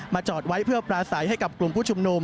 มาจอดไว้เพื่อปราศัยให้กลุ่มผู้ชมนุม